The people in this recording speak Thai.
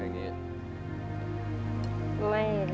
มืด๘ด้านพอจะรู้จังไปแล้วฮะแบบนี้